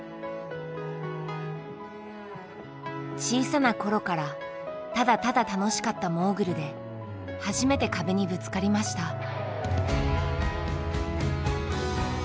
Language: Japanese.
小さな頃からただただ楽しかったモーグルで初めて壁にぶつかりました。